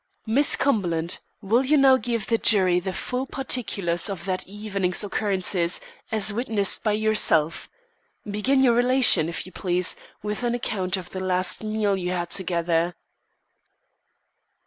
"Miss Cumberland, will you now give the jury the full particulars of that evening's occurrences, as witnessed by yourself. Begin your relation, if you please, with an account of the last meal you had together."